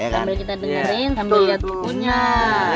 sambil kita dengerin sambil lihat bukunya